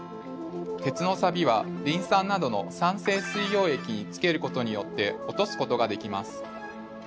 鉄のサビはリン酸などの酸性水溶液につけることによって落とすことができます。